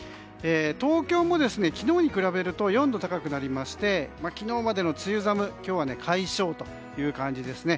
東京も昨日に比べると４度高くなりまして昨日までの梅雨寒今日は解消という感じですね。